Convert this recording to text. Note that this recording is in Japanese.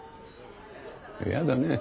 嫌だね。